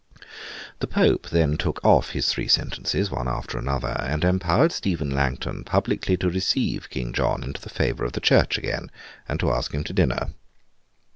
The Pope then took off his three sentences, one after another, and empowered Stephen Langton publicly to receive King John into the favour of the Church again, and to ask him to dinner.